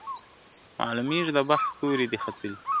معلومیږي د بخت ستوری دي ختلی !.